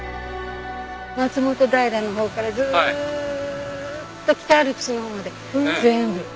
松本平の方からずっと北アルプスの方まで全部。